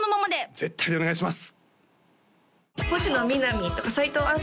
絶対にお願いします！